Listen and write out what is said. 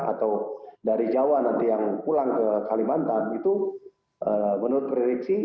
atau dari jawa nanti yang pulang ke kalimantan itu menurut prediksi